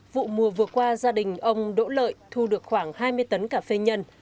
vụ mùa vừa qua gia đình ông đỗ lợi thu được khoảng hai mươi tấn cà phê nhân